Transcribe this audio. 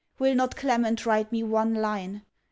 Will not Clement write me one line?